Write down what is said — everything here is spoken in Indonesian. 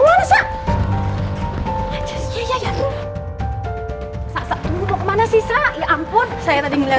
terus selalu pengatasi saat ya ampun saya tak bisamu lihat